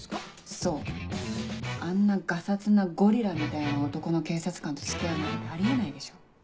そうあんなガサツなゴリラみたいな男の警察官と付き合うなんてあり得ないでしょ。